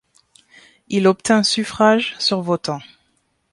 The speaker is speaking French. Il obtint suffrages sur votants.